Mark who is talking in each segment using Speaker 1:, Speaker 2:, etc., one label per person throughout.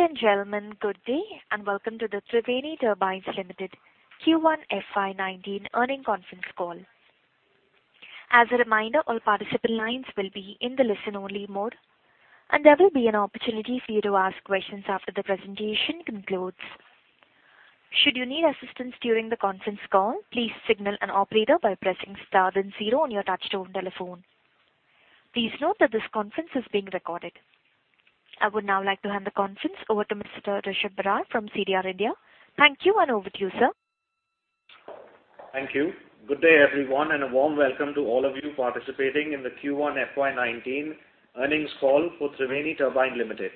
Speaker 1: Ladies and gentlemen, good day, welcome to the Triveni Turbine Limited Q1 FY 2019 earnings conference call. As a reminder, all participant lines will be in the listen-only mode, there will be an opportunity for you to ask questions after the presentation concludes. Should you need assistance during the conference call, please signal an operator by pressing star then zero on your touch-tone telephone. Please note that this conference is being recorded. I would now like to hand the conference over to Mr. Rishab Barar from CDR India. Thank you, over to you, sir.
Speaker 2: Thank you. Good day, everyone, a warm welcome to all of you participating in the Q1 FY 2019 earnings call for Triveni Turbine Limited.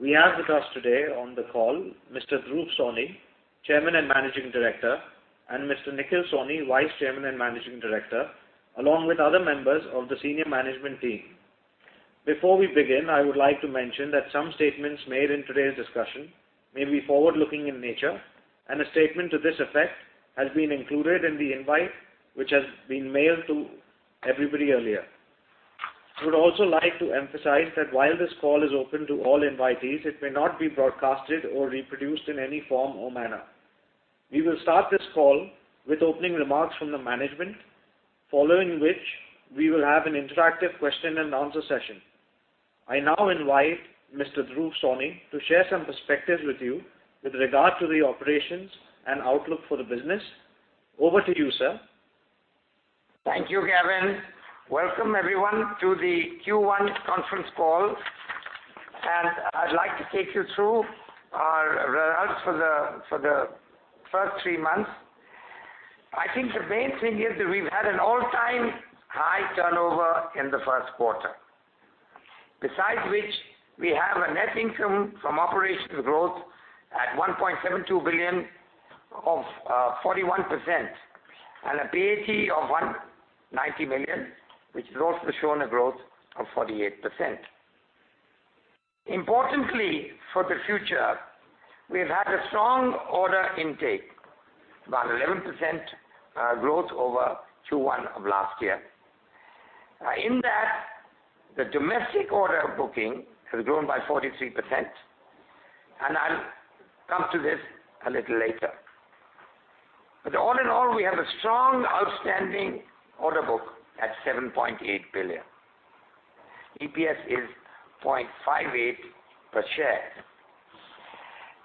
Speaker 2: We have with us today on the call Mr. Dhruv Sawhney, Chairman and Managing Director, Mr. Nikhil Sawhney, Vice Chairman and Managing Director, along with other members of the senior management team. Before we begin, I would like to mention that some statements made in today's discussion may be forward-looking in nature, and a statement to this effect has been included in the invite, which has been mailed to everybody earlier. I would also like to emphasize that while this call is open to all invitees, it may not be broadcasted or reproduced in any form or manner. We will start this call with opening remarks from the management, following which we will have an interactive question and answer session. I now invite Mr. Dhruv Sawhney to share some perspectives with you with regard to the operations and outlook for the business. Over to you, sir.
Speaker 3: Thank you, Gavin. Welcome, everyone, to the Q1 conference call. I'd like to take you through our results for the first three months. I think the main thing is that we've had an all-time high turnover in the first quarter. Besides which, we have a net income from operations growth at 1.72 billion of 41%, a PAT of 190 million, which has also shown a growth of 48%. Importantly, for the future, we've had a strong order intake, about 11% growth over Q1 of last year. In that, the domestic order booking has grown by 43%, I'll come to this a little later. All in all, we have a strong outstanding order book at 7.8 billion. EPS is 0.58 per share.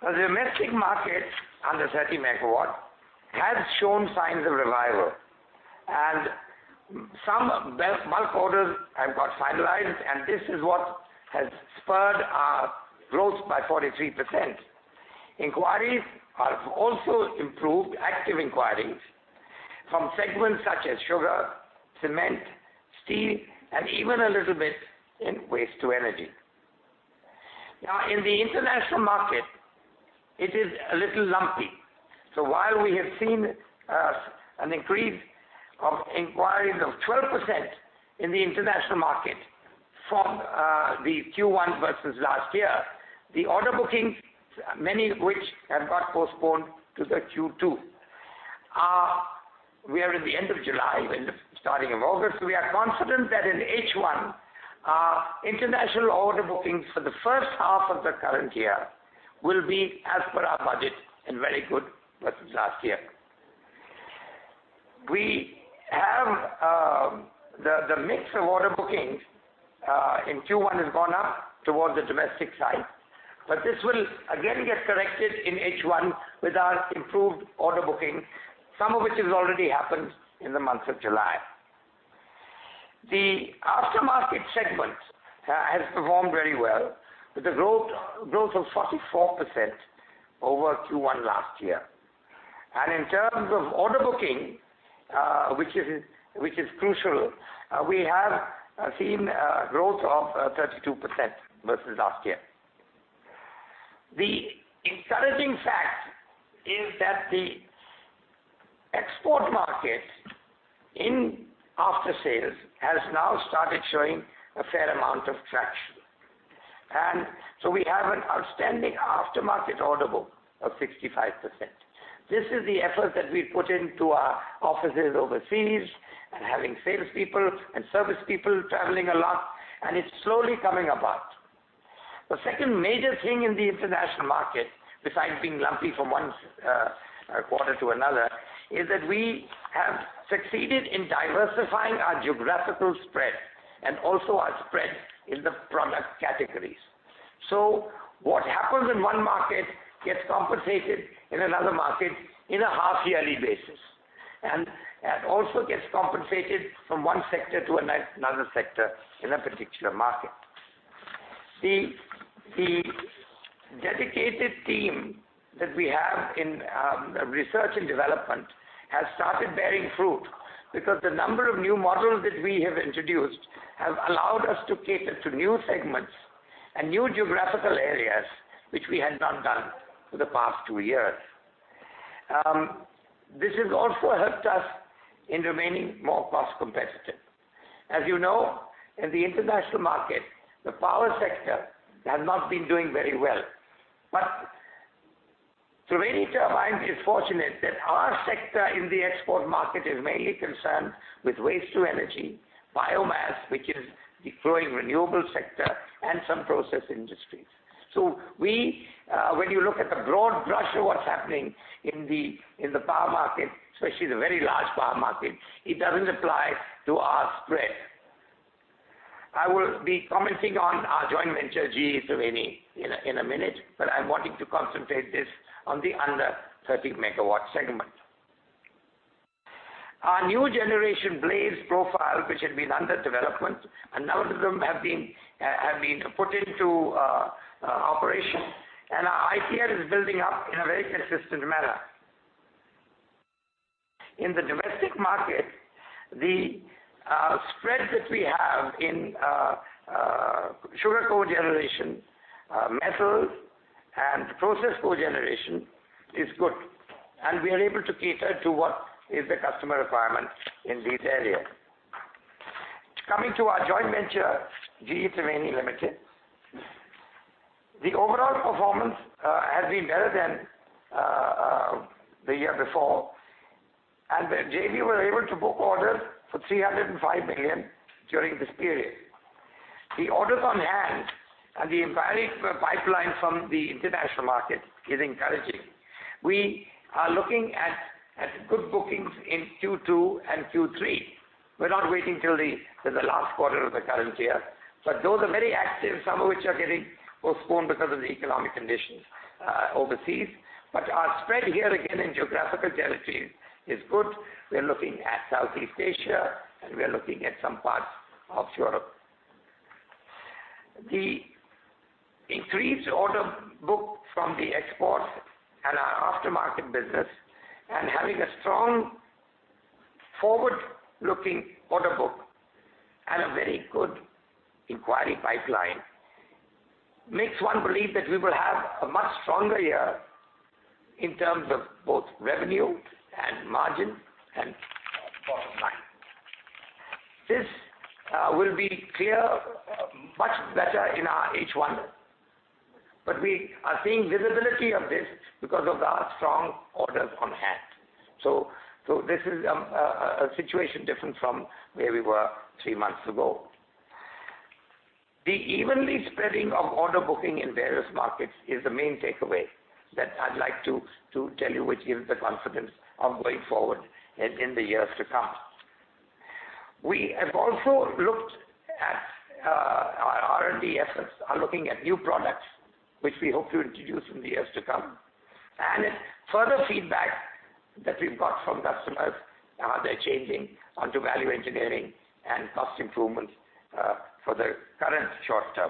Speaker 3: The domestic market under 30 MW has shown signs of revival, some bulk orders have got finalized, and this is what has spurred our growth by 43%. Enquiries have also improved, active enquiries, from segments such as sugar, cement, steel, and even a little bit in waste-to-energy. In the international market, it is a little lumpy. While we have seen an increase of enquiries of 12% in the international market from the Q1 versus last year, the order bookings, many of which have got postponed to the Q2. We are in the end of July, in the starting of August. We are confident that in H1, our international order bookings for the first half of the current year will be as per our budget and very good versus last year. The mix of order bookings in Q1 has gone up towards the domestic side, this will again get corrected in H1 with our improved order booking, some of which has already happened in the month of July. The aftermarket segment has performed very well, with a growth of 44% over Q1 last year. In terms of order booking, which is crucial, we have seen a growth of 32% versus last year. The encouraging fact is that the export market in after-sales has now started showing a fair amount of traction. We have an outstanding aftermarket order book of 65%. This is the effort that we put into our offices overseas and having salespeople and service people traveling a lot, and it's slowly coming about. The second major thing in the international market, besides being lumpy from one quarter to another, is that we have succeeded in diversifying our geographical spread and also our spread in the product categories. What happens in one market gets compensated in another market in a half-yearly basis, and also gets compensated from one sector to another sector in a particular market. The dedicated team that we have in R&D has started bearing fruit because the number of new models that we have introduced have allowed us to cater to new segments and new geographical areas, which we had not done for the past two years. This has also helped us in remaining more cost-competitive. As you know, in the international market, the power sector has not been doing very well. Triveni Turbine is fortunate that our sector in the export market is mainly concerned with waste-to-energy, biomass, which is the growing renewable sector, and some process industries. When you look at the broad brush of what's happening in the power market, especially the very large power market, it doesn't apply to our spread. I will be commenting on our joint venture, GE Triveni, in a minute, but I'm wanting to concentrate this on the under 30 MW segment. Our new generation blades profile, which had been under development, a number of them have been put into operation. Our ICT is building up in a very consistent manner. In the domestic market, the spread that we have in sugar cogeneration, metal, and process cogeneration is good, and we are able to cater to what is the customer requirement in these areas. Coming to our joint venture, GE Triveni Limited. The overall performance has been better than the year before. The JV were able to book orders for 305 million during this period. The orders on hand and the inquiry pipeline from the international market is encouraging. We are looking at good bookings in Q2 and Q3. We're not waiting till the last quarter of the current year. Those are very active, some of which are getting postponed because of the economic conditions overseas. Our spread here, again, in geographical territories is good. We're looking at Southeast Asia, and we are looking at some parts of Europe. The increased order book from the exports and our aftermarket business and having a strong forward-looking order book and a very good inquiry pipeline makes one believe that we will have a much stronger year in terms of both revenue and margin and bottom line. This will be clear much better in our H1. We are seeing visibility of this because of our strong orders on hand. This is a situation different from where we were three months ago. The evenly spreading of order booking in various markets is the main takeaway that I'd like to tell you, which gives the confidence of going forward in the years to come. We have also looked at our R&D efforts, are looking at new products, which we hope to introduce in the years to come, and further feedback that we've got from customers as they're changing onto value engineering and cost improvements for the current short term.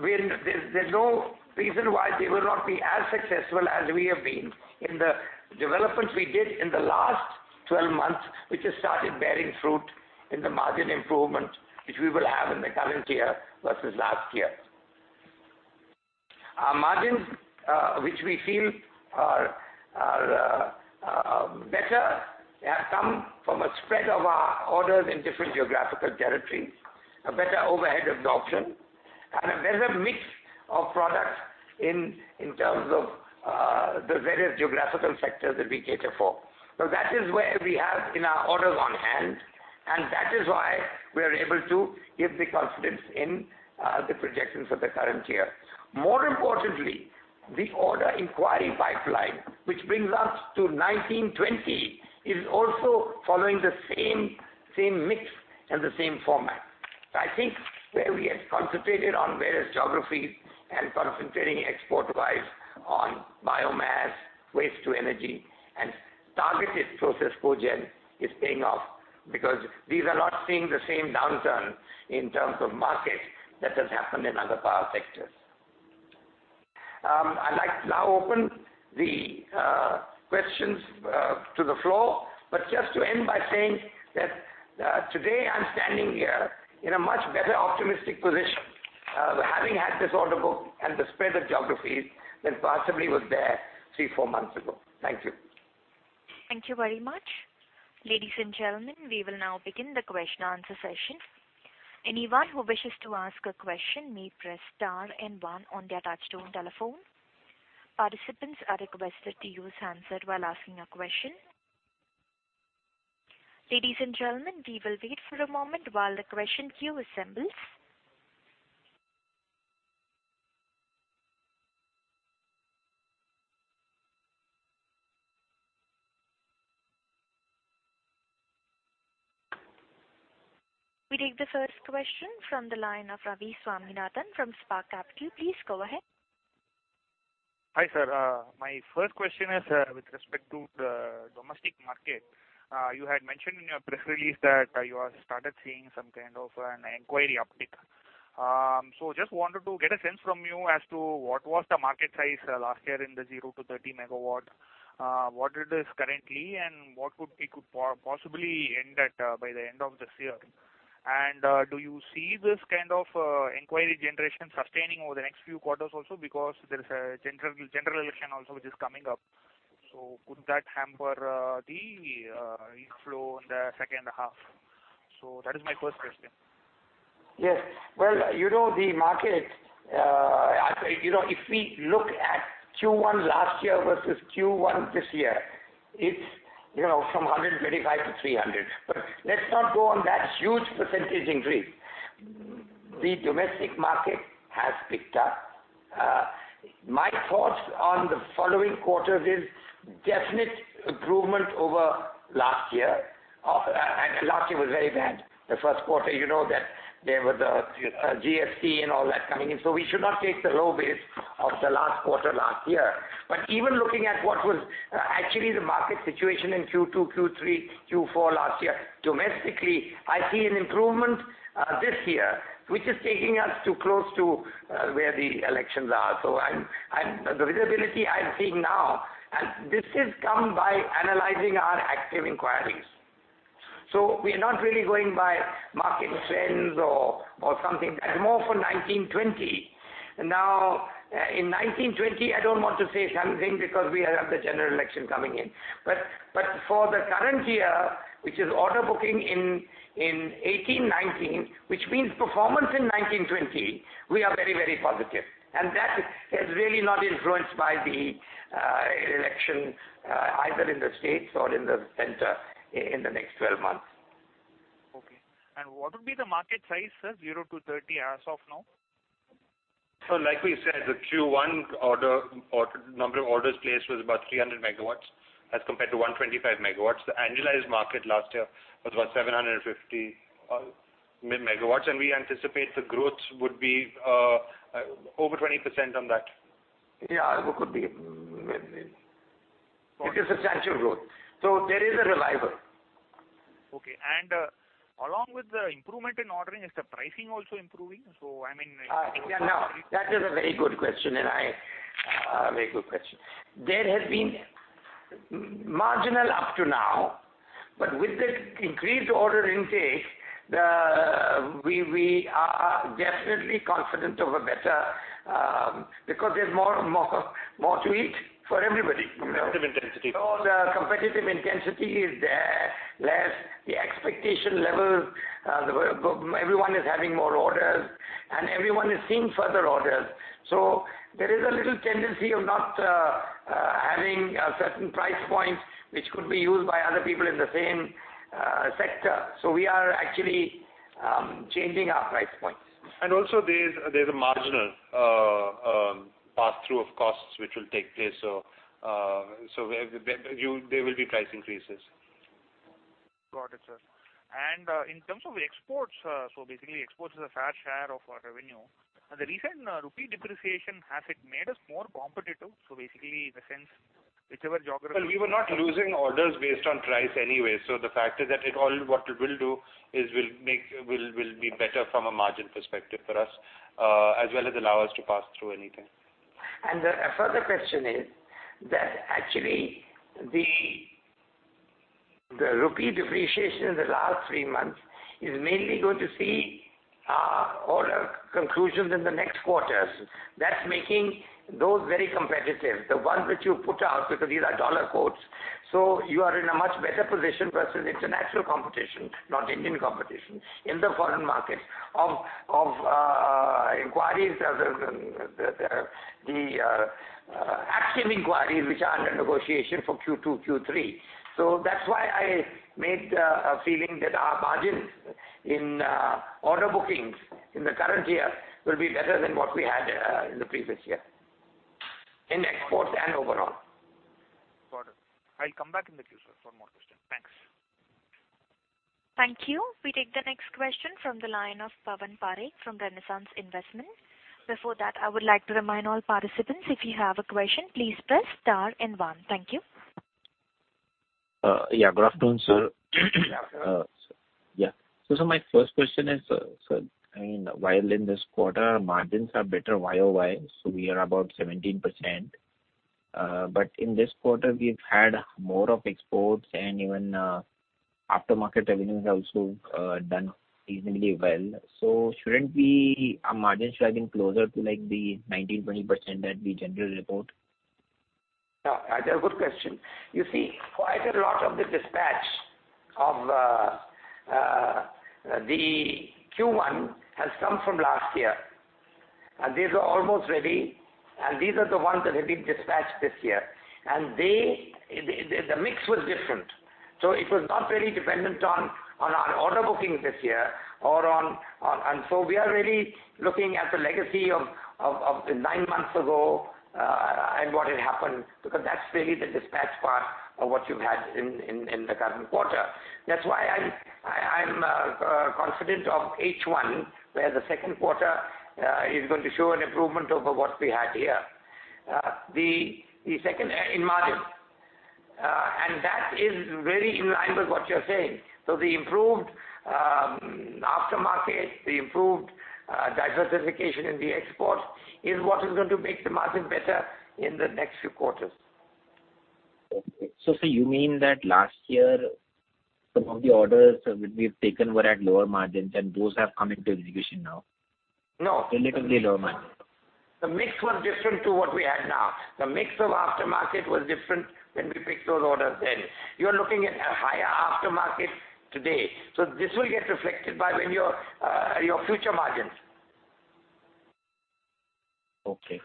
Speaker 3: There's no reason why they will not be as successful as we have been in the developments we did in the last 12 months, which has started bearing fruit in the margin improvement, which we will have in the current year versus last year. Our margins which we feel are better, have come from a spread of our orders in different geographical territories, a better overhead absorption, and a better mix of products in terms of the various geographical sectors that we cater for. That is where we have in our orders on hand. That is why we are able to give the confidence in the projections of the current year. More importantly, the order inquiry pipeline, which brings us to FY 2020, is also following the same mix and the same format. I think where we have concentrated on various geographies and concentrating export-wise on biomass, waste to energy, and targeted process cogen is paying off because these are not seeing the same downturn in terms of market that has happened in other power sectors. I'd like to now open the questions to the floor, just to end by saying that today I'm standing here in a much better optimistic position, having had this order book and the spread of geographies than possibly was there three, four months ago. Thank you.
Speaker 1: Thank you very much. Ladies and gentlemen, we will now begin the question answer session. Anyone who wishes to ask a question may press star 1 on their touchtone telephone. Participants are requested to use handset while asking a question. Ladies and gentlemen, we will wait for a moment while the question queue assembles. We take the first question from the line of Ravi Swaminathan from Spark Capital. Please go ahead.
Speaker 4: Hi, sir. My first question is with respect to the domestic market. You had mentioned in your press release that you have started seeing some kind of an inquiry uptick. Just wanted to get a sense from you as to what was the market size last year in the 0 to 30 megawatt, what it is currently, and what it could possibly end at by the end of this year. Do you see this kind of inquiry generation sustaining over the next few quarters also because there is a general election also which is coming up. Could that hamper the inflow in the second half? That is my first question.
Speaker 3: Yes. Well, if we look at Q1 last year versus Q1 this year, it's from 125 to 300. Let's not go on that huge percentage increase. The domestic market has picked up. My thoughts on the following quarters is definite improvement over last year. Last year was very bad. The first quarter, you know that there was the GST and all that coming in. We should not take the low base of the last quarter last year. Even looking at what was actually the market situation in Q2, Q3, Q4 last year, domestically, I see an improvement this year, which is taking us to close to where the elections are. The visibility I'm seeing now, and this has come by analyzing our active inquiries. We're not really going by market trends or something, more for 2019-2020. In 2019-2020, I don't want to say something because we have the general election coming in. For the current year, which is order booking in 2018-2019, which means performance in 2019-2020, we are very positive, and that is really not influenced by the election either in the states or in the center in the next 12 months.
Speaker 4: Okay. What would be the market size, sir, year to 30 as of now?
Speaker 5: Like we said, the Q1 number of orders placed was about 300 megawatts as compared to 125 megawatts. The annualized market last year was about 750 megawatts. We anticipate the growth would be over 20% on that.
Speaker 3: Yeah, it could be. It is a substantial growth. There is a revival.
Speaker 4: Okay. Along with the improvement in ordering, is the pricing also improving?
Speaker 3: That is a very good question. There has been marginal up to now, but with the increased order intake, we are definitely confident of a better because there's more to eat for everybody.
Speaker 5: Competitive intensity.
Speaker 3: The competitive intensity is there, less the expectation level. Everyone is having more orders, and everyone is seeing further orders. There is a little tendency of not having certain price points which could be used by other people in the same sector. We are actually changing our price points.
Speaker 5: Also there's a marginal pass-through of costs which will take place. There will be price increases.
Speaker 4: Got it, sir. In terms of exports is a fair share of our revenue. The recent rupee depreciation, has it made us more competitive? In the sense whichever geography-
Speaker 5: We were not losing orders based on price anyway. The fact is that what it will do is will be better from a margin perspective for us, as well as allow us to pass through anything.
Speaker 3: A further question is that actually, the rupee depreciation in the last three months is mainly going to see order conclusions in the next quarters. That's making those very competitive, the ones which you put out, because these are dollar quotes. You are in a much better position versus international competition, not Indian competition, in the foreign market of inquiries, the active inquiries which are under negotiation for Q2, Q3. That's why I made a feeling that our margins in order bookings in the current year will be better than what we had in the previous year, in exports and overall.
Speaker 4: Got it. I'll come back in the queue, sir, for more questions. Thanks.
Speaker 1: Thank you. We take the next question from the line of Pawan Parakh from Renaissance Investment. Before that, I would like to remind all participants, if you have a question, please press star and one. Thank you.
Speaker 6: Yeah, good afternoon, sir. My first question is, sir, while in this quarter, margins are better YOY, we are about 17%. In this quarter, we've had more of exports and even after-market revenues have also done reasonably well. Shouldn't our margins have been closer to the 19%, 20% that we generally report?
Speaker 3: No. That's a good question. You see, quite a lot of the dispatch of the Q1 has come from last year, and these are almost ready, and these are the ones that have been dispatched this year. The mix was different. It was not really dependent on our order bookings this year. We are really looking at the legacy of nine months ago and what had happened, because that's really the dispatch part of what you had in the current quarter. That's why I'm confident of H1, where the second quarter is going to show an improvement over what we had here in margin. That is very in line with what you're saying. The improved aftermarket, the improved diversification in the export, is what is going to make the margin better in the next few quarters.
Speaker 6: Okay. Sir, you mean that last year, some of the orders that we've taken were at lower margins and those have come into execution now?
Speaker 3: No.
Speaker 6: Relatively lower margin.
Speaker 3: The mix was different to what we have now. The mix of aftermarket was different when we fixed those orders then. You're looking at a higher aftermarket today. This will get reflected back in your future margins.
Speaker 6: Okay.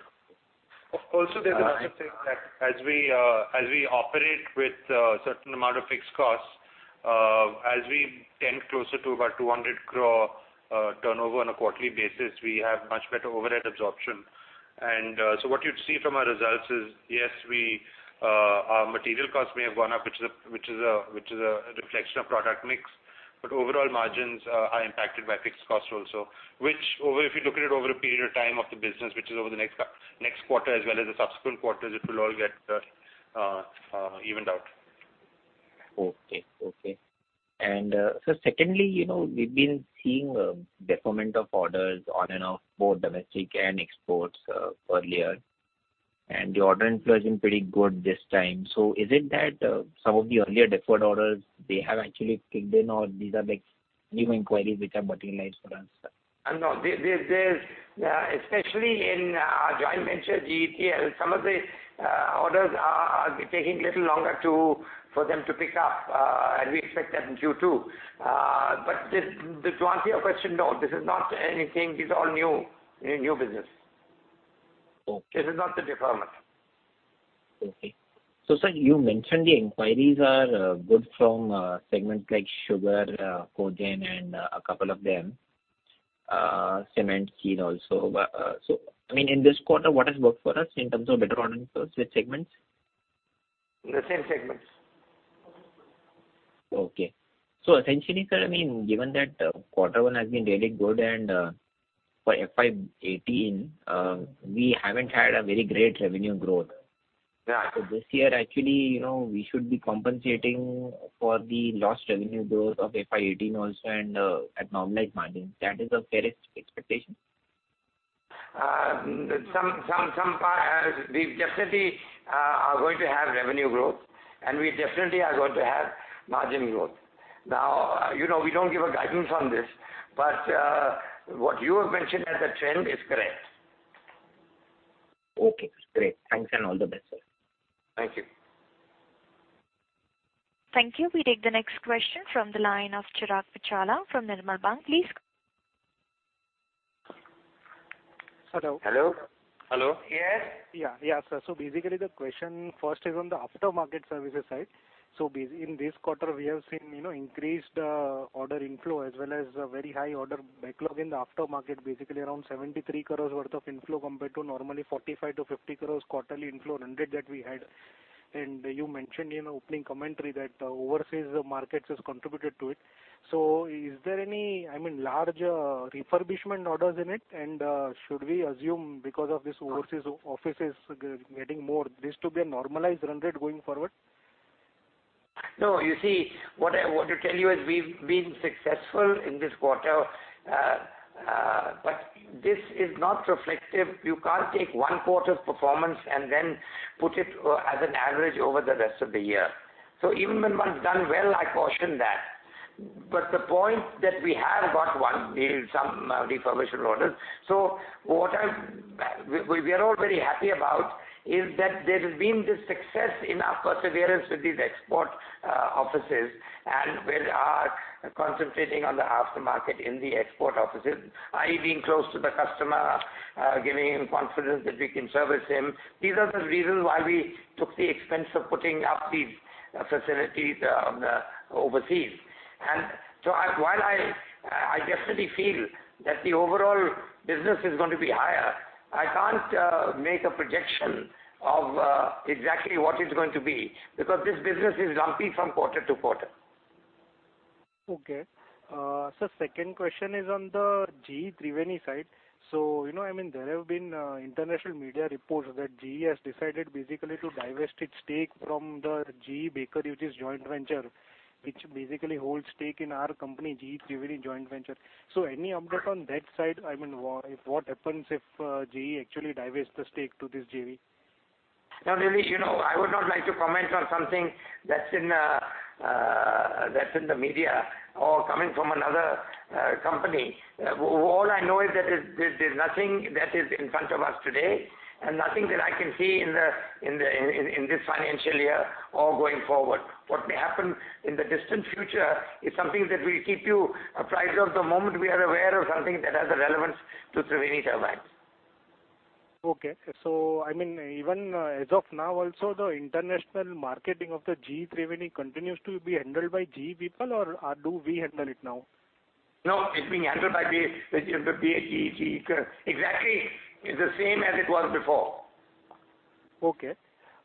Speaker 5: There's another thing that as we operate with a certain amount of fixed costs, as we tend closer to about 200 crore turnover on a quarterly basis, we have much better overhead absorption. What you'd see from our results is, yes, our material costs may have gone up, which is a reflection of product mix, but overall margins are impacted by fixed costs also. Which, if you look at it over a period of time of the business, which is over the next quarter as well as the subsequent quarters, it will all get evened out.
Speaker 6: Okay. Sir, secondly, we've been seeing deferment of orders on and off, both domestic and exports earlier. The order inflow has been pretty good this time. Is it that some of the earlier deferred orders, they have actually kicked in, or these are like new inquiries which have materialized for us?
Speaker 3: No. Especially in our joint venture, GETL, some of the orders are taking a little longer for them to pick up, and we expect that in Q2. To answer your question, no, this is not anything. These are all new business.
Speaker 6: Okay.
Speaker 3: This is not the deferment.
Speaker 6: Okay. Sir, you mentioned the inquiries are good from segments like sugar cogen and a couple of them. Cement, steel also. I mean, in this quarter, what has worked for us in terms of better order inflows with segments?
Speaker 3: The same segments.
Speaker 6: Okay. Essentially, sir, I mean, given that Q1 has been really good, for FY 2018, we haven't had a very great revenue growth.
Speaker 3: Yeah.
Speaker 6: This year, actually, we should be compensating for the lost revenue growth of FY 2018 also and at normalized margin. That is the fairest expectation?
Speaker 3: We definitely are going to have revenue growth, we definitely are going to have margin growth. We don't give a guidance on this, what you have mentioned as a trend is correct.
Speaker 6: Okay, great. Thanks all the best, sir.
Speaker 3: Thank you.
Speaker 1: Thank you. We take the next question from the line of Chirag Muchhala from Nirmal Bang. Please go on.
Speaker 7: Hello.
Speaker 3: Hello.
Speaker 5: Hello.
Speaker 3: Yes.
Speaker 7: Basically, the question first is on the aftermarket services side. In this quarter, we have seen increased order inflow as well as a very high order backlog in the aftermarket, basically around 73 crores worth of inflow compared to normally 45 crores-50 crores quarterly inflow run rate that we had. You mentioned in opening commentary that overseas markets has contributed to it. Is there any larger refurbishment orders in it? Should we assume because of this overseas offices getting more, this to be a normalized run rate going forward?
Speaker 3: You see, what I want to tell you is we've been successful in this quarter, but this is not reflective. You can't take one quarter's performance and then put it as an average over the rest of the year. Even when one's done well, I caution that. The point that we have got one deal, some refurbishment orders. What we are all very happy about is that there has been this success in our perseverance with these export offices, and we are concentrating on the aftermarket in the export offices, i.e., being close to the customer, giving him confidence that we can service him. These are the reasons why we took the expense of putting up these facilities overseas. While I definitely feel that the overall business is going to be higher, I can't make a projection of exactly what it's going to be because this business is lumpy from quarter to quarter.
Speaker 7: Okay. Sir, second question is on the GE Triveni side. There have been international media reports that GE has decided basically to divest its stake from the Baker Hughes, which is joint venture, which basically holds stake in our company, GE Triveni joint venture. Any update on that side? I mean, what happens if GE actually divests the stake to this JV?
Speaker 3: Now, Chirag, I would not like to comment on something that's in the media or coming from another company. All I know is that there's nothing that is in front of us today and nothing that I can see in this financial year or going forward. What may happen in the distant future is something that we'll keep you apprised of the moment we are aware of something that has a relevance to Triveni Turbine.
Speaker 7: Okay. I mean, even as of now also, the international marketing of the GE Triveni continues to be handled by GE people or do we handle it now?
Speaker 3: No, it's being handled by GE. Exactly, it's the same as it was before.
Speaker 7: Okay.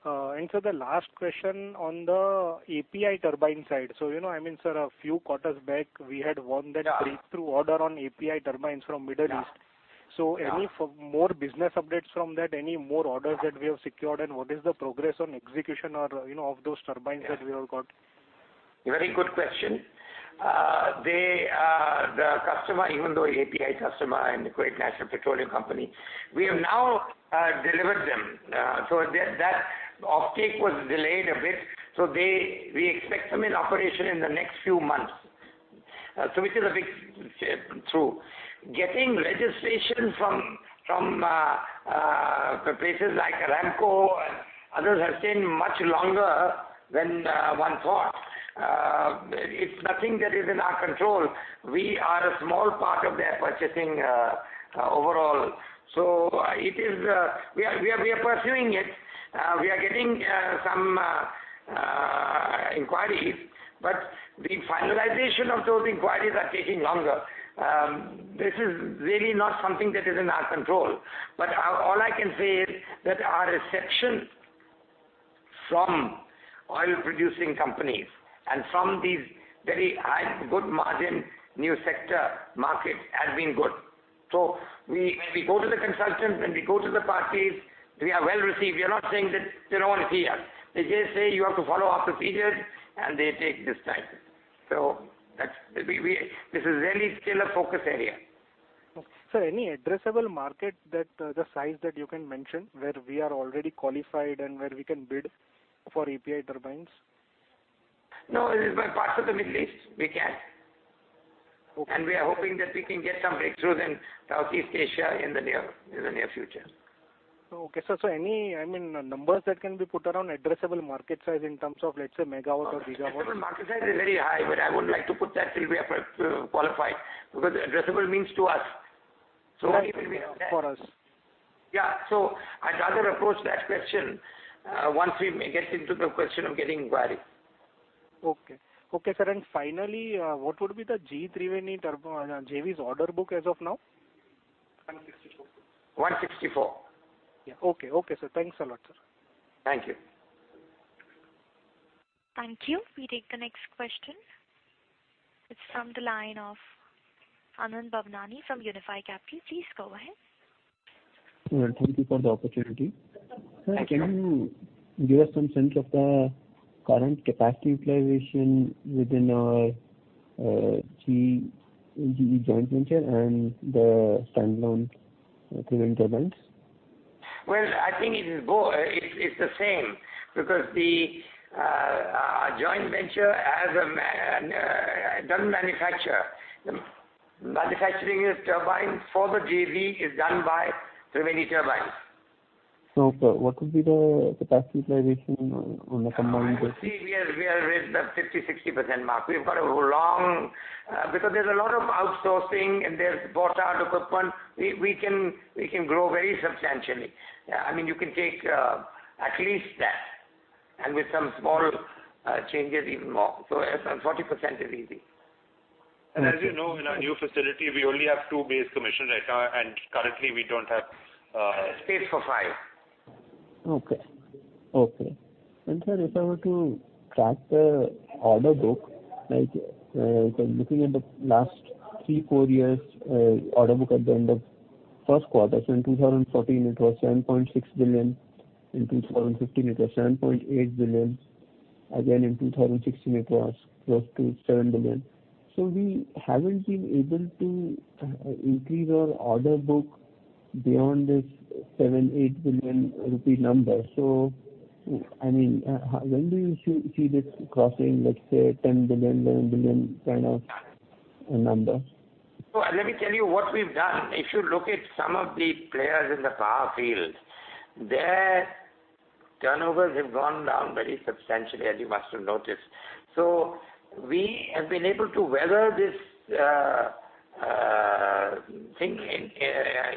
Speaker 7: Sir, the last question on the API turbine side. I mean, sir, a few quarters back, we had won that breakthrough order on API turbines from Middle East.
Speaker 3: Yeah.
Speaker 7: Any more business updates from that? Any more orders that we have secured? What is the progress on execution of those turbines that we have got?
Speaker 3: Very good question. The customer, even though API customer and Kuwait National Petroleum Company, we have now delivered them. That offtake was delayed a bit. We expect them in operation in the next few months. Which is a bit true. Getting registration from places like Aramco and others has taken much longer than one thought. It's nothing that is in our control. We are a small part of their purchasing overall. We are pursuing it. We are getting some inquiries, but the finalization of those inquiries are taking longer. This is really not something that is in our control. All I can say is that our reception from oil producing companies and from these very high, good margin, new sector markets has been good. When we go to the consultants, when we go to the parties, we are well received. We are not saying that they don't want to hear. They just say you have to follow our procedures, and they take this time. This is really still a focus area.
Speaker 7: Okay. Sir, any addressable market, the size that you can mention where we are already qualified and where we can bid for API turbines?
Speaker 3: No, it is by parts of the Middle East we can.
Speaker 7: Okay.
Speaker 3: We are hoping that we can get some breakthroughs in Southeast Asia in the near future.
Speaker 7: Okay, sir. Any numbers that can be put around addressable market size in terms of, let's say megawatt or gigawatt?
Speaker 3: Addressable market size is very high, but I would like to put that till we are qualified. Addressable means to us.
Speaker 7: Right. For us.
Speaker 3: Yeah. I'd rather approach that question once we get into the question of getting inquiry.
Speaker 7: Okay. Okay, sir. Finally, what would be the GE Triveni JV's order book as of now?
Speaker 5: 164.
Speaker 3: 164.
Speaker 7: Yeah, okay. Okay, sir. Thanks a lot, sir.
Speaker 3: Thank you.
Speaker 1: Thank you. We take the next question. It's from the line of Anand Bhavnani from Unifi Capital. Please go ahead.
Speaker 8: Thank you for the opportunity.
Speaker 1: Absolutely.
Speaker 8: Sir, can you give us some sense of the current capacity utilization within our GE joint venture and the standalone Triveni Turbine?
Speaker 3: Well, I think it's the same because the joint venture doesn't manufacture. Manufacturing of turbines for the JV is done by Triveni Turbine.
Speaker 8: Sir, what would be the capacity utilization on a combined basis?
Speaker 3: I think we are with the 50, 60% mark. Because there's a lot of outsourcing and there's bought out equipment. We can grow very substantially. You can take at least that, and with some small changes, even more. 40% is easy.
Speaker 5: As you know, in our new facility, we only have two bays commissioned right now, and currently we don't have.
Speaker 3: Space for five.
Speaker 8: Okay. Sir, if I were to track the order book, like looking at the last three, four years order book at the end of first quarter. In 2014 it was 7.6 billion. In 2015, it was 7.8 billion. Again, in 2016 it was close to 7 billion. We haven't been able to increase our order book beyond this 7 billion, 8 billion rupee number. When do you see this crossing, let's say 10 billion, 11 billion kind of a number?
Speaker 3: Let me tell you what we've done. If you look at some of the players in the power field, their turnovers have gone down very substantially, as you must have noticed. We have been able to weather this thing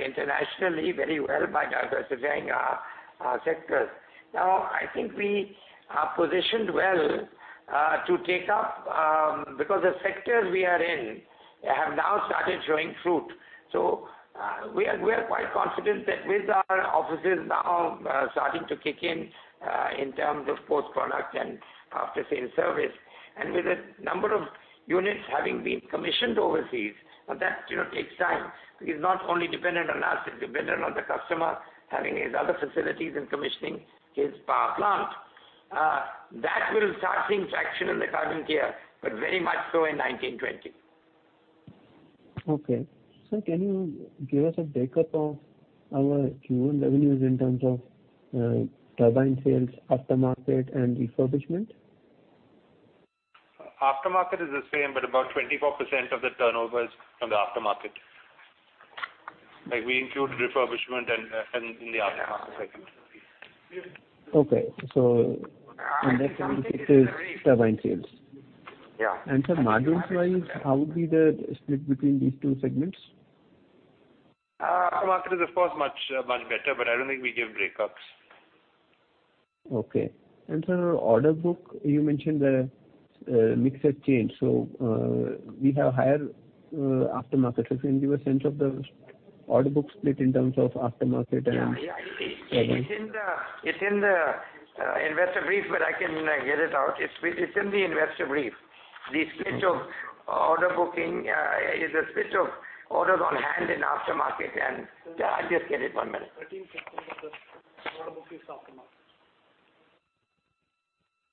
Speaker 3: internationally very well by diversifying our sectors. Now, I think we are positioned well to take up because the sectors we are in have now started showing fruit. We are quite confident that with our offices now starting to kick in terms of post product and after-sales service, and with a number of units having been commissioned overseas. That takes time. It's not only dependent on us, it's dependent on the customer having his other facilities and commissioning his power plant. That will start seeing traction in the current year, but very much so in 2019, 2020.
Speaker 8: Okay. Sir, can you give us a breakup of our Q1 revenues in terms of turbine sales, aftermarket, and refurbishment?
Speaker 5: Aftermarket is the same, about 24% of the turnover is from the aftermarket. We include refurbishment in the aftermarket segment.
Speaker 8: Okay. That 24% is turbine sales.
Speaker 3: Yeah.
Speaker 8: Sir, margins-wise, how would be the split between these two segments?
Speaker 5: Aftermarket is, of course, much better, but I don't think we give breakups.
Speaker 8: Okay. Sir, order book, you mentioned the mix had changed. We have higher Aftermarket. Can you give a sense of the order book split in terms of Aftermarket and turbine?
Speaker 3: Yeah. It's in the investor brief, but I can get it out. It's in the investor brief. The split of order booking is a split of orders on hand in Aftermarket and I'll just get it. One minute.
Speaker 5: 13% of the order book is aftermarket.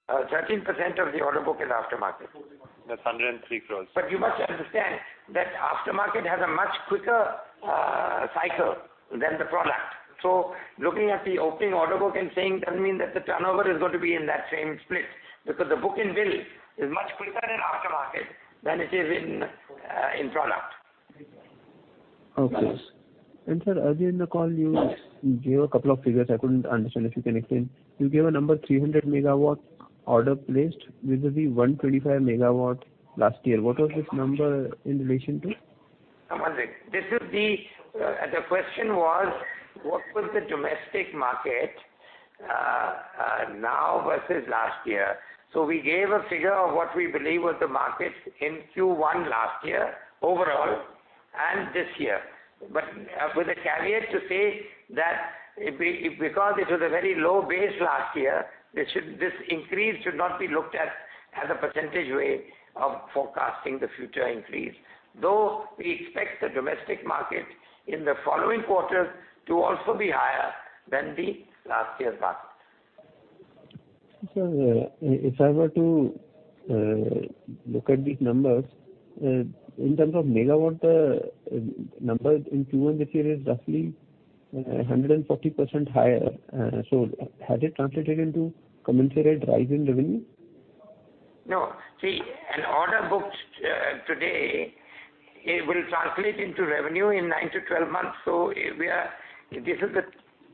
Speaker 3: 13% of the order book is aftermarket.
Speaker 5: That's 103 crores.
Speaker 3: You must understand that aftermarket has a much quicker cycle than the product. Looking at the opening order book and saying doesn't mean that the turnover is going to be in that same split, because the book and bill is much quicker in aftermarket than it is in product.
Speaker 8: Okay. Sir, earlier in the call you gave a couple of figures I couldn't understand, if you can explain. You gave a number 300 MW order placed versus the 125 MW last year. What was this number in relation to?
Speaker 3: One second. The question was: what was the domestic market now versus last year? We gave a figure of what we believe was the market in Q1 last year overall and this year, but with a caveat to say that because it was a very low base last year, this increase should not be looked at as a percentage way of forecasting the future increase. Though we expect the domestic market in the following quarters to also be higher than the last year's market.
Speaker 8: Sir, if I were to look at these numbers, in terms of MW, the number in Q1 this year is roughly 140% higher. Has it translated into commensurate rise in revenue?
Speaker 3: No. See, an order booked today, it will translate into revenue in 9-12 months. This is the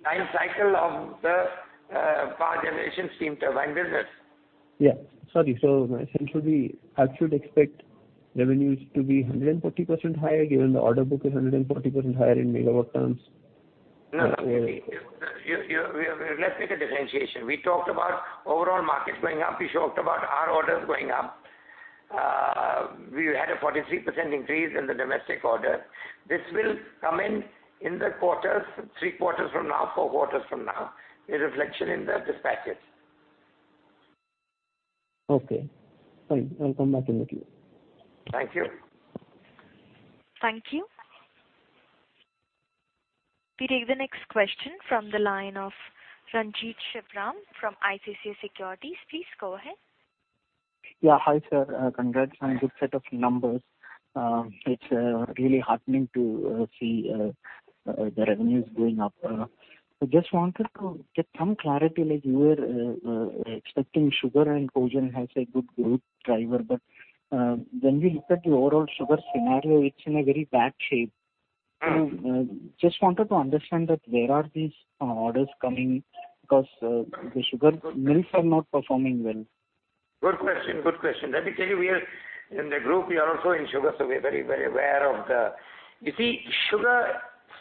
Speaker 3: time cycle of the power generation steam turbine business.
Speaker 8: Yeah, sorry. I should expect revenues to be 140% higher given the order book is 140% higher in megawatt terms?
Speaker 3: No. Let's make a differentiation. We talked about overall markets going up. We talked about our orders going up. We had a 43% increase in the domestic order. This will come in the quarters, three quarters from now, four quarters from now, a reflection in the dispatches.
Speaker 8: Okay. Fine. I'll come back in the queue.
Speaker 3: Thank you.
Speaker 1: Thank you. We take the next question from the line of Renjith Sivaram from ICICI Securities. Please go ahead.
Speaker 9: Yeah. Hi, sir. Congrats on good set of numbers. It's really heartening to see the revenues going up. I just wanted to get some clarity, like you were expecting sugar and co-gen has a good growth driver, when we look at the overall sugar scenario, it's in a very bad shape. Just wanted to understand that where are these orders coming because the sugar mills are not performing well.
Speaker 3: Good question. Let me tell you, in the group, we are also in sugar, we are very well aware. You see, sugar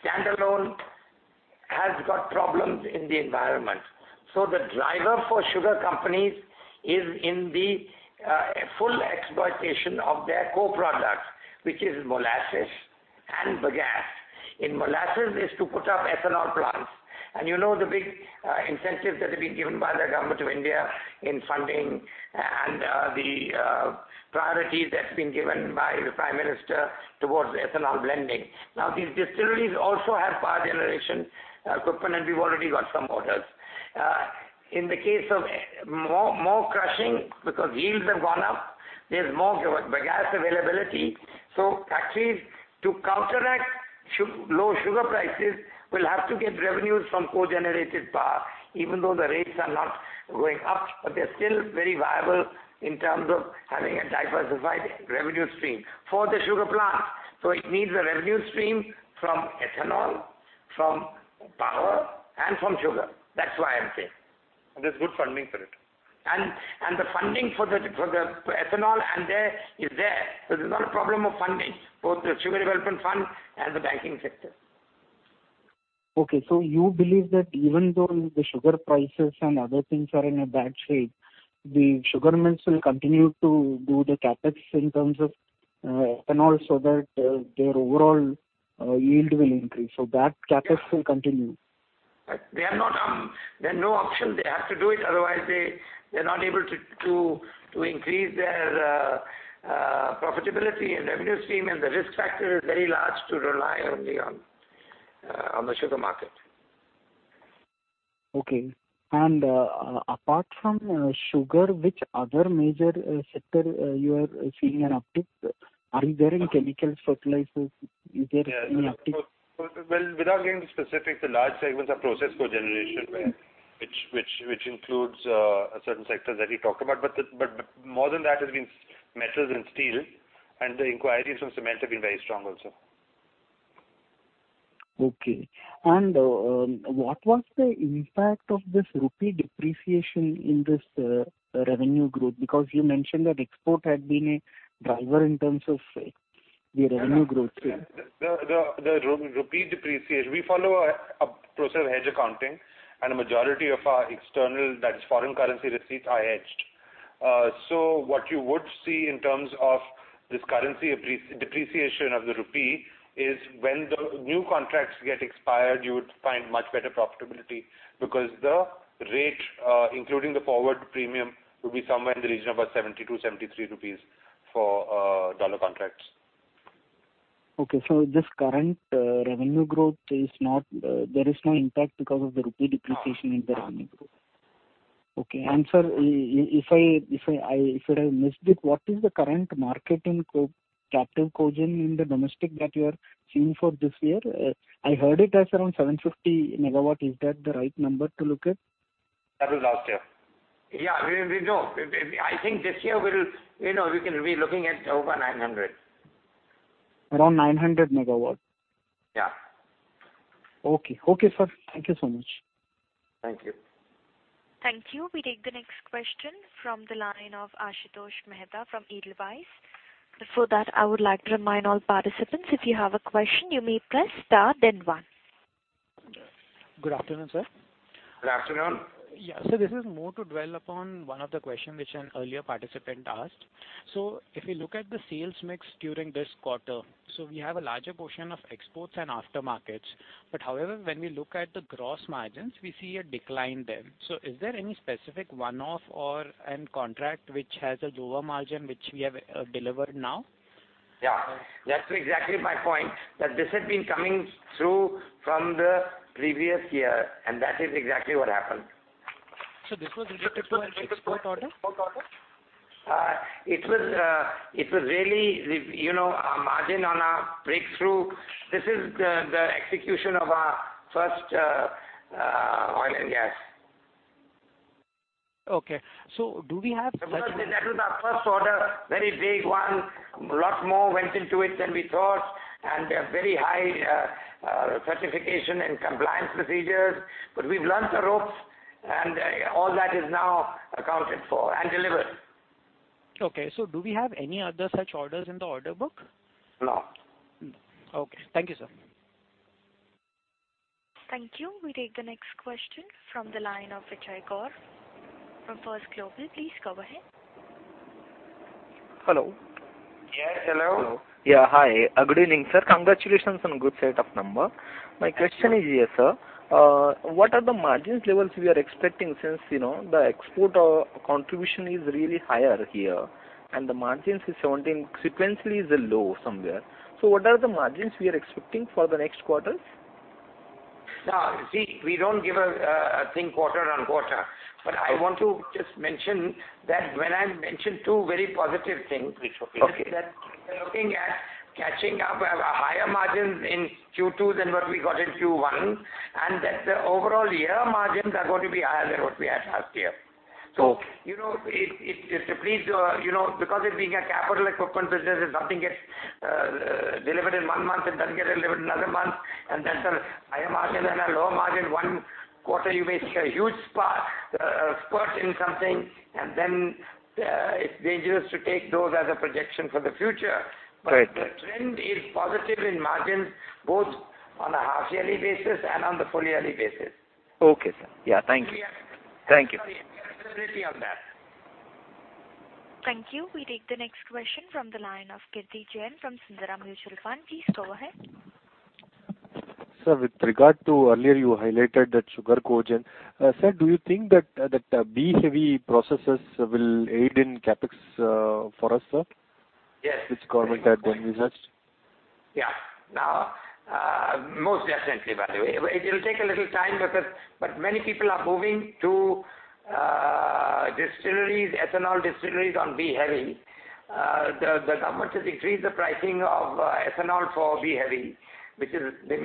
Speaker 3: standalone has got problems in the environment. The driver for sugar companies is in the full exploitation of their co-products, which is molasses and bagasse. In molasses, is to put up ethanol plants, and you know the big incentives that have been given by the Government of India in funding and the priorities that's been given by the Prime Minister towards ethanol blending. Now these distilleries also have power generation equipment, and we've already got some orders. In the case of more crushing, because yields have gone up, there's more bagasse availability. Factories, to counteract low sugar prices, will have to get revenues from co-generated power, even though the rates are not going up. They're still very viable in terms of having a diversified revenue stream for the sugar plant. It needs a revenue stream from ethanol, from power, and from sugar. That's why I'm saying.
Speaker 5: There's good funding for it.
Speaker 3: The funding for the ethanol is there. It is not a problem of funding, both the Sugar Development Fund and the banking sector.
Speaker 9: You believe that even though the sugar prices and other things are in a bad shape, the sugar mills will continue to do the CapEx in terms of ethanol so that their overall yield will increase. That CapEx will continue?
Speaker 3: They have no option. They have to do it, otherwise they are not able to increase their profitability and revenue stream, and the risk factor is very large to rely only on the sugar market.
Speaker 9: Okay. Apart from sugar, which other major sector you are seeing an uptick? Are you there in chemical fertilizers? Is there any uptick?
Speaker 5: Well, without getting specific, the large segments are process Cogeneration.
Speaker 9: Okay
Speaker 5: which includes certain sectors that we talked about. More than that, it has been metals and steel, and the inquiries from cement have been very strong also.
Speaker 9: Okay. What was the impact of this rupee depreciation in this revenue growth? Because you mentioned that export had been a driver in terms of the revenue growth.
Speaker 5: The rupee depreciation, we follow a process of hedge accounting, and a majority of our external, that is foreign currency receipts, are hedged. What you would see in terms of this currency depreciation of the rupee is when the new contracts get expired, you would find much better profitability because the rate including the forward premium would be somewhere in the region of about 72, 73 rupees for dollar contracts.
Speaker 9: Okay. This current revenue growth, there is no impact because of the rupee depreciation in the revenue growth?
Speaker 3: No.
Speaker 9: Okay. Sir, if I missed it, what is the current market in captive co-gen in the domestic that you are seeing for this year? I heard it as around 750 MW. Is that the right number to look at? That was last year.
Speaker 3: Yeah. No, I think this year we can be looking at over 900.
Speaker 9: Around 900 MW?
Speaker 3: Yeah.
Speaker 9: Okay, sir. Thank you so much.
Speaker 3: Thank you.
Speaker 1: Thank you. We take the next question from the line of Ashutosh Mehta from Edelweiss. Before that, I would like to remind all participants, if you have a question, you may press star then one.
Speaker 10: Good afternoon, sir.
Speaker 3: Good afternoon.
Speaker 10: Yeah. This is more to dwell upon one of the questions which an earlier participant asked. If we look at the sales mix during this quarter, we have a larger portion of exports and aftermarkets. However, when we look at the gross margins, we see a decline there. Is there any specific one-off or end contract which has a lower margin, which we have delivered now?
Speaker 3: Yeah. That's exactly my point, that this had been coming through from the previous year. That is exactly what happened.
Speaker 10: This was related to an export order?
Speaker 3: It was really our margin on our breakthrough. This is the execution of our first oil and gas.
Speaker 10: Okay.
Speaker 3: That was our first order, very big one. A lot more went into it than we thought, and very high certification and compliance procedures. We've learned the ropes, and all that is now accounted for and delivered.
Speaker 10: Okay. Do we have any other such orders in the order book?
Speaker 3: No.
Speaker 10: Okay. Thank you, sir.
Speaker 1: Thank you. We take the next question from the line of Vijay Gaur from First Global. Please go ahead.
Speaker 11: Hello.
Speaker 3: Yes, hello.
Speaker 11: Yeah, hi. Good evening, sir. Congratulations on good set of number. My question is here, sir. What are the margins levels we are expecting since the export contribution is really higher here and the margins is 17, sequentially is a low somewhere. What are the margins we are expecting for the next quarters?
Speaker 3: You see, we don't give a thing quarter on quarter. I want to just mention that when I mention two very positive things
Speaker 11: Okay
Speaker 3: that we're looking at catching up higher margins in Q2 than what we got in Q1, and that the overall year margins are going to be higher than what we had last year. Because of being a capital equipment business, if something gets delivered in one month, it doesn't get delivered another month, and then the higher margin and a lower margin. One quarter, you may see a huge spurt in something, and then it's dangerous to take those as a projection for the future.
Speaker 11: Right.
Speaker 3: The trend is positive in margins, both on a half yearly basis and on the full yearly basis.
Speaker 11: Okay, sir. Yeah, thank you.
Speaker 3: We are-
Speaker 11: Thank you.
Speaker 3: We are pretty on that.
Speaker 1: Thank you. We take the next question from the line of Kirthi Jain from Sundaram Mutual Fund. Please go ahead.
Speaker 12: Sir, with regard to earlier you highlighted that sugar co-gen. Sir, do you think that B-heavy processes will aid in CapEx for us, sir?
Speaker 3: Yes.
Speaker 12: Which government had then researched.
Speaker 3: Yeah. Most definitely, by the way. It will take a little time because, but many people are moving to ethanol distilleries on B-heavy. The government has increased the pricing of ethanol for B-heavy, which may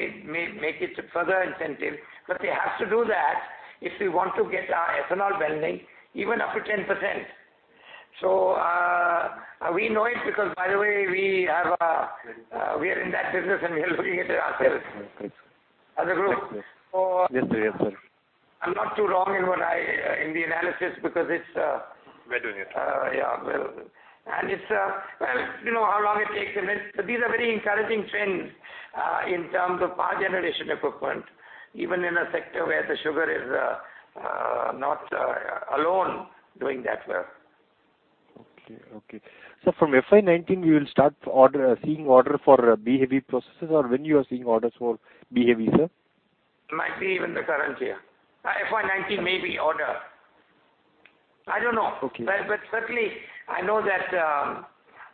Speaker 3: make it further incentive, but they have to do that if we want to get our ethanol blending even up to 10%. We know it because, by the way, we are in that business and we are looking at it ourselves as a group.
Speaker 12: Yes, sir.
Speaker 3: I am not too wrong in the analysis because it is.
Speaker 12: We are doing it.
Speaker 3: Yeah. Well, how long it takes and that, these are very encouraging trends in terms of power generation equipment, even in a sector where the sugar is not alone doing that well.
Speaker 12: Okay. Sir, from FY 2019, you will start seeing order for B-heavy processes or when you are seeing orders for B-heavy, sir?
Speaker 3: Might be even the current year. FY 2019 maybe order. I don't know.
Speaker 12: Okay.
Speaker 3: Certainly, I know that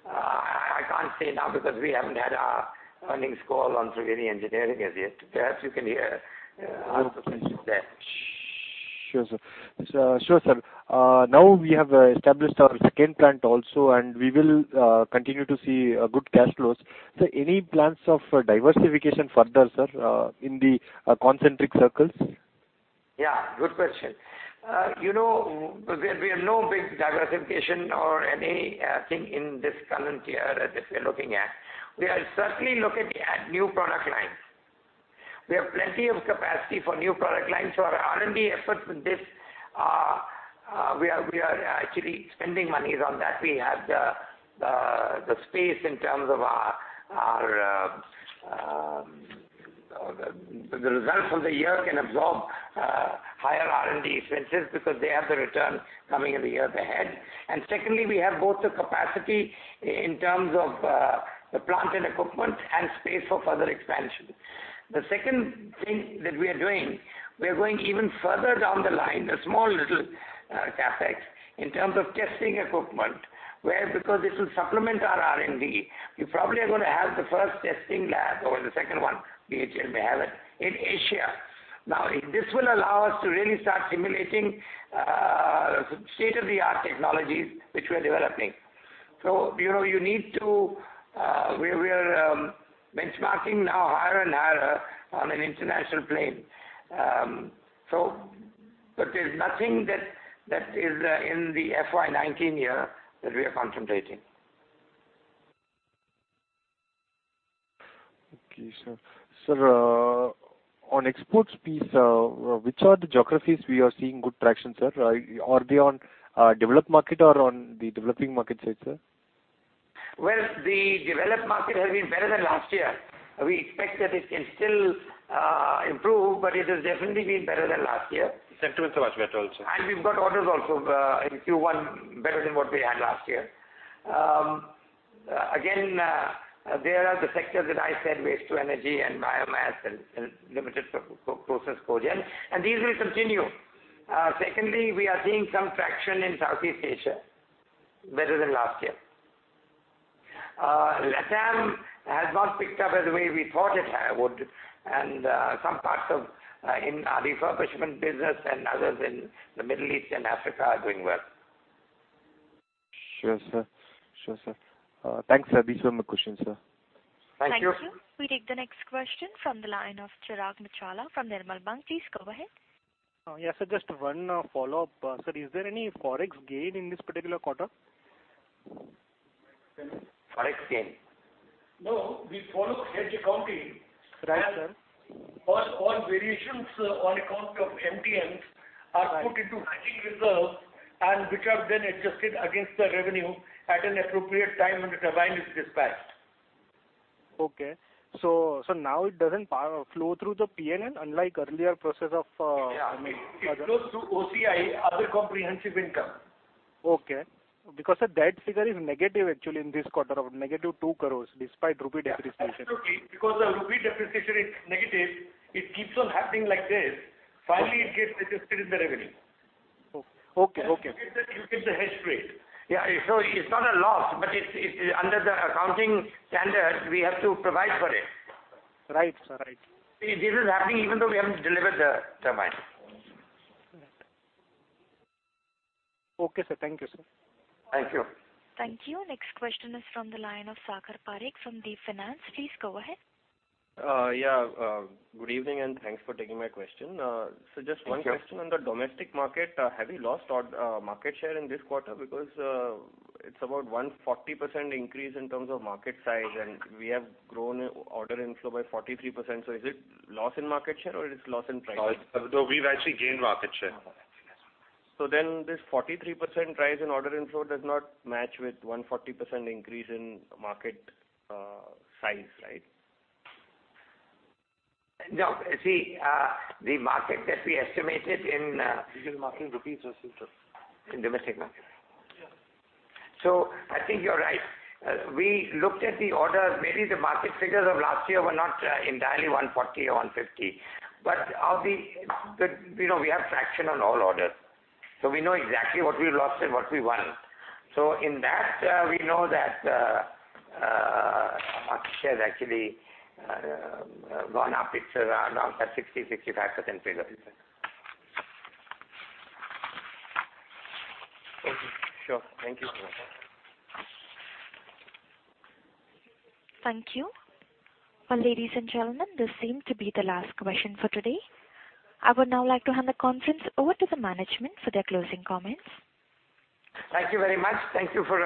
Speaker 3: I can't say now because we haven't had our earnings call on Triveni Engineering as yet. Perhaps you can hear answers from there.
Speaker 12: Sure, sir. Now we have established our second plant also, and we will continue to see good cash flows. Sir, any plans of diversification further, sir, in the concentric circles?
Speaker 3: Yeah, good question. We have no big diversification or anything in this current year that we're looking at. We are certainly looking at new product lines. We have plenty of capacity for new product lines. Our R&D efforts with this are we are actually spending monies on that. We have the space in terms of our. The results of the year can absorb higher R&D expenses because they have the return coming in the year ahead. Secondly, we have both the capacity in terms of the plant and equipment and space for further expansion. The second thing that we are doing, we are going even further down the line, a small little CapEx, in terms of testing equipment, where because this will supplement our R&D. You probably are going to have the first testing lab or the second one, B-heavy may have it, in Asia. This will allow us to really start simulating State-of-the-art technologies which we are developing. We are benchmarking now higher and higher on an international plane. There's nothing that is in the FY 2019 year that we are contemplating.
Speaker 12: Okay, sir. Sir, on exports piece, which are the geographies we are seeing good traction, sir? Are they on developed market or on the developing market side, sir?
Speaker 3: Well, the developed market has been better than last year. We expect that it can still improve, but it has definitely been better than last year.
Speaker 12: Sentiments are much better also.
Speaker 3: We've got orders also in Q1 better than what we had last year. Again, there are the sectors that I said, Waste-to-energy and Biomass and limited process cogen. These will continue. Secondly, we are seeing some traction in Southeast Asia better than last year. LATAM has not picked up as the way we thought it would, and some parts in our refurbishment business and others in the Middle East and Africa are doing well.
Speaker 12: Sure, sir. Thanks, sir. These were my questions.
Speaker 3: Thank you.
Speaker 1: Thank you. We take the next question from the line of Chirag Muchhala from Nirmal Bang. Please go ahead.
Speaker 7: Yes, sir, just one follow-up. Sir, is there any ForEx gain in this particular quarter?
Speaker 3: ForEx gain?
Speaker 5: No. We follow hedge accounting.
Speaker 7: Right, sir.
Speaker 5: All variations on account of MTMs are put into hedging reserves, which are then adjusted against the revenue at an appropriate time when the turbine is dispatched.
Speaker 7: Okay. Now it doesn't flow through the P&L unlike earlier process of.
Speaker 5: Yeah. I mean, it flows through OCI, other comprehensive income.
Speaker 7: Okay. Sir, that figure is negative actually in this quarter of negative 2 crores despite rupee depreciation.
Speaker 5: Absolutely. The rupee depreciation is negative, it keeps on happening like this. Finally, it gets adjusted in the revenue.
Speaker 7: Okay.
Speaker 5: You get the hedge rate.
Speaker 3: Yeah. It's not a loss, but under the accounting standards, we have to provide for it.
Speaker 7: Right, sir.
Speaker 3: This is happening even though we haven't delivered the turbine.
Speaker 7: Okay, sir. Thank you, sir.
Speaker 3: Thank you.
Speaker 1: Thank you. Next question is from the line of Sagar Parekh from Deep Finance. Please go ahead.
Speaker 13: Yeah. Good evening. Thanks for taking my question.
Speaker 3: Thank you.
Speaker 13: Just one question on the domestic market. Have you lost market share in this quarter? Because it is about 140% increase in terms of market size, and we have grown order inflow by 43%. Is it loss in market share or is it loss in pricing?
Speaker 3: No. We have actually gained market share.
Speaker 13: This 43% rise in order inflow does not match with 140% increase in market size, right?
Speaker 3: No. See, the market that we estimated.
Speaker 14: The market in INR has increased.
Speaker 3: In domestic market.
Speaker 14: Yeah.
Speaker 3: I think you are right. We looked at the orders. Maybe the market figures of last year were not entirely 140 or 150. We have traction on all orders, so we know exactly what we lost and what we won. In that, we know that our share has actually gone up. It is around 60%-65% figure.
Speaker 13: Okay, sure. Thank you.
Speaker 1: Thank you. Well, ladies and gentlemen, this seems to be the last question for today. I would now like to hand the conference over to the management for their closing comments.
Speaker 3: Thank you very much. Thank you for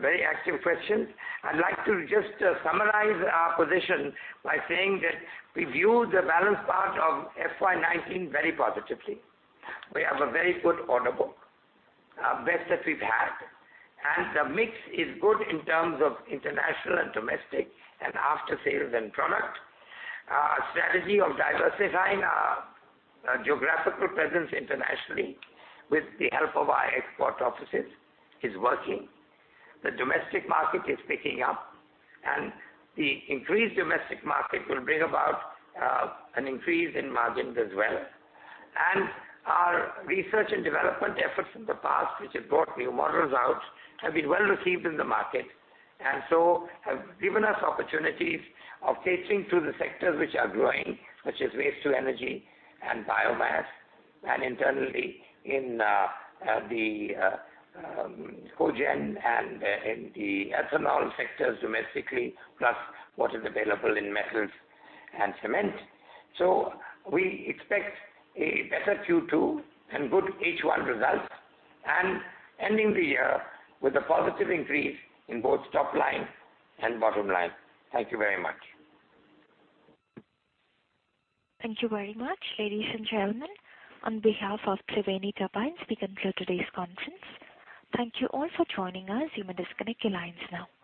Speaker 3: very active questions. I'd like to just summarize our position by saying that we view the balance part of FY 2019 very positively. We have a very good order book, best that we've had. The mix is good in terms of international and domestic and after-sales and product. Our strategy of diversifying our geographical presence internationally with the help of our export offices is working. The domestic market is picking up, and the increased domestic market will bring about an increase in margins as well. Our research and development efforts in the past, which have brought new models out, have been well-received in the market, and so have given us opportunities of catering to the sectors which are growing, such as Waste-to-energy and Biomass, and internally in the cogen and in the ethanol sectors domestically, plus what is available in metals and cement. We expect a better Q2 and good H1 results, and ending the year with a positive increase in both top line and bottom line. Thank you very much.
Speaker 1: Thank you very much, ladies and gentlemen. On behalf of Triveni Turbine, we conclude today's conference. Thank you all for joining us. You may disconnect your lines now.